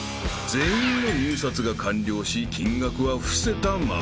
［全員の入札が完了し金額は伏せたまま］